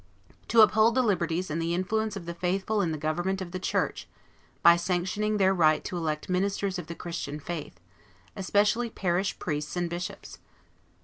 To uphold the liberties and the influence of the faithful in the government of the church, by sanctioning their right to elect ministers of the Christian faith, especially parish priests and bishops; 2.